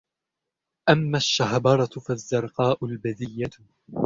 أَمَّا الشَّهْبَرَةُ فَالزَّرْقَاءُ الْبَذِيَّةُ